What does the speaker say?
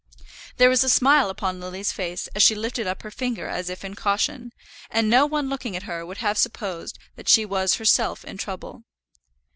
There was a smile upon Lily's face as she lifted up her finger as if in caution, and no one looking at her would have supposed that she was herself in trouble.